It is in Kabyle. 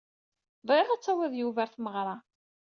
Bɣiɣ ad tawid Yuba ɣer tmeɣra.